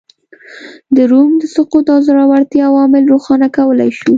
د روم د سقوط او ځوړتیا عوامل روښانه کولای شو